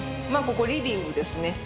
まあここリビングですね。